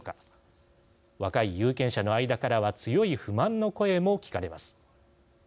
若い有権者の間からは強い不満の声も聞かれます。